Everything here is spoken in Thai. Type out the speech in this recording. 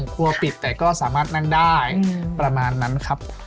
ครัวปิดแต่ก็สามารถนั่งได้ประมาณนั้นครับ